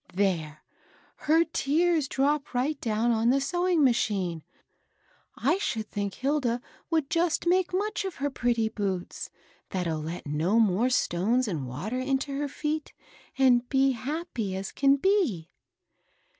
There I her tears drop right down on the sewing machine I I should think Hilda would just make much of her pretty boots, that'll let no more stones and water into her feet, and be happy as can be."